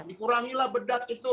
dikurangilah bedak itu